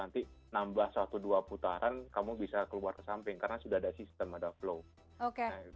nanti nambah satu dua putaran kamu bisa keluar ke samping karena sudah ada sistem ada flow oke